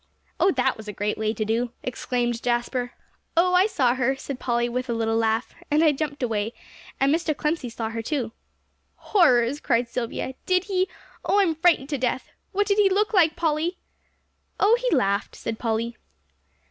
"Oh, that was a great way to do!" exclaimed Jasper. "Oh, I saw her," said Polly, with a little laugh, "and I jumped away; and Mr. Clemcy saw her, too." "Horrors!" cried Silvia. "Did he? Oh, I'm frightened to death! What did he look like, Polly?" "Oh, he laughed," said Polly.